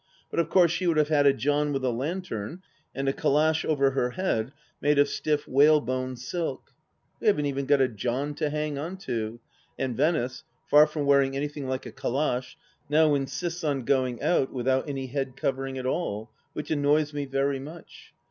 But of course she would have had a John with a lantern ? and a calash over her head made of stiff whaleboned silk. We haven't even got a John to hang on to, and Venice, far from wearing anything like a calash, now insists on going out without any head covering at all, which annoys me very much.